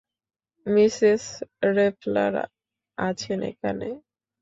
Mrs Repler আছেন এখানে।